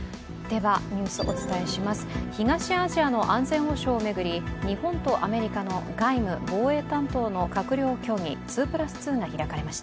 東アジアの安全保障を巡り、日本とアメリカの外務・防衛担当の閣僚協議、２＋２が開かれました。